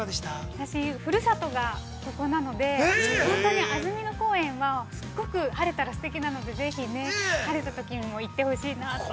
◆私、ふるさとがここなので、本当に安曇野公園は、すごく晴れたら、すてきなので、ぜひ、晴れたときにも行ってほしいなと。